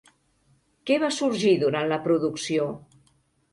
Què va sorgir durant la producció?